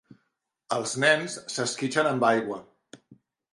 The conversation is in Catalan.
Els nens s'esquitxen amb aigua.